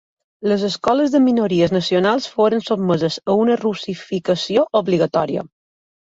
Les escoles de minories nacionals foren sotmeses a una russificació obligatòria.